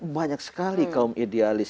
banyak sekali kaum idealis